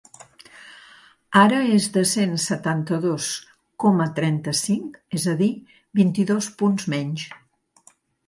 Ara és de cent setanta-dos coma trenta-cinc, és a dir, vint-i-dos punts menys.